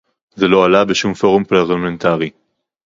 זה לא עלה בשום פורום פרלמנטרי